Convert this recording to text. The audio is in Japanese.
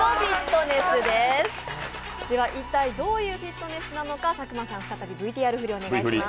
一体どういうフィットネスなのか佐久間さん、再びＶＴＲ振りお願いします。